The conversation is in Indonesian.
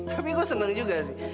tapi gue senang juga sih